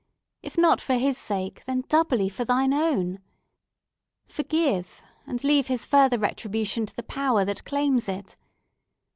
If not for his sake, then doubly for thine own! Forgive, and leave his further retribution to the Power that claims it!